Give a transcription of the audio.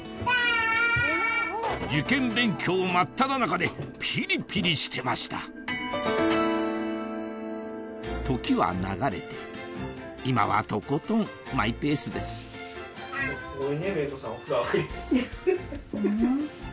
受験勉強真っただ中でピリピリしてました時は流れて今はとことんマイペースですフフフ。